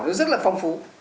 nó rất là phong phú